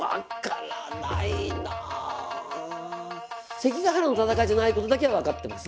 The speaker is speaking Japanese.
関ヶ原の戦いじゃないことだけは分かってます。